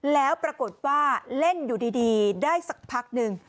แล้วปรากฏว่าเล่นอยู่ดีได้สักพักหนึ่ง